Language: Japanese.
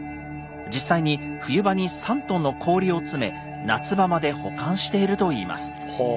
実際に冬場に３ｔの氷を詰め夏場まで保管しているといいます。